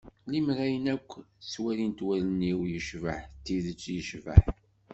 Limmer ayen akk ttwalint wallen-iw yecbeḥ d tidet yecbeḥ.